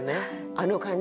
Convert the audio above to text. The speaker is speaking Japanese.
あの感じね。